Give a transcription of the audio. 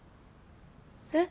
えっ？